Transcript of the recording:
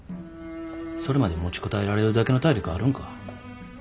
それまで持ちこたえられるだけの体力あるんか？